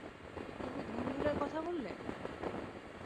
তুমি ধুন্দুলের কথা বললে?